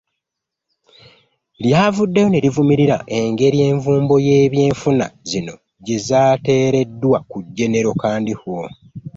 Lyavuddeyo ne livumirira engeri envumbo y'ebyenfuna zino gye zaateereddwa ku Genero Kandiho.